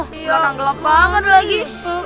belakang gelap banget lagi